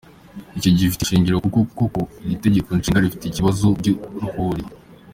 Iki gifite inshingiro kuko koko iri Tegeko Nshinga rifite ibibazo by’uruhuri.